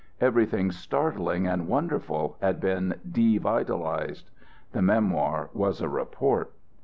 Everything startling and wonderful had been devitalized. The memoir was a report.